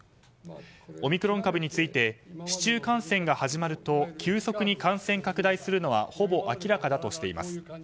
オミクロン株について市中感染が始まると急速に感染拡大するのはほぼ明らかだとしています。